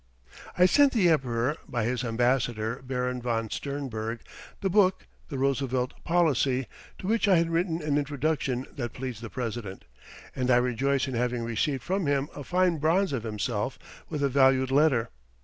I sent the Emperor by his Ambassador, Baron von Sternberg, the book, "The Roosevelt Policy," to which I had written an introduction that pleased the President, and I rejoice in having received from him a fine bronze of himself with a valued letter.